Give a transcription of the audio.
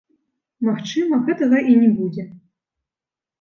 Магчыма, гэтага і не будзе.